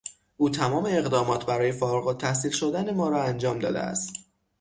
او تمام اقدامات برای فارغالتحصیل شدن ما را انجام داده است.